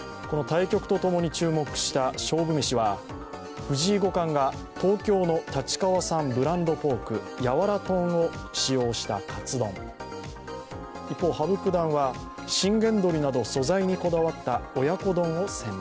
対局とともに注目される勝負めしは藤井王将が東京の立川産ブランドポーク柔豚を使用したカツ丼、一方、羽生九段は信玄鶏など素材にこだわった親子丼を選択。